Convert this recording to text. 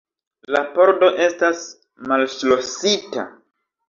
La pordo estas malŝlosita.